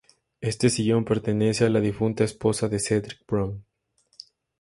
Este sillón pertenece a la difunta esposa de Cedric Brown.